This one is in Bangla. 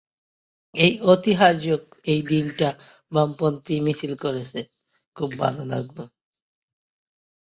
কিছু ঐতিহাসিক বলেন, জেলেরা পূর্বপুরুষ থেকে তারা মাছ ধরে জীবিকা নির্বাহ করত।